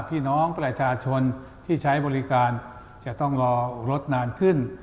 พี่น้องประชาชนที่ใช้บริการจะต้องรอรถนานขึ้น